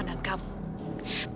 ya udah yuk